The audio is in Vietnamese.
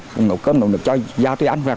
cùng nấu cơm nấu nước cho da tôi ăn